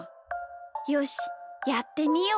よしやってみよう。